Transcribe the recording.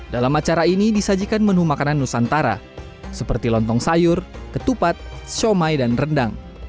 dalam acara ini disajikan menu makanan nusantara seperti lontong sayur ketupat somai dan rendang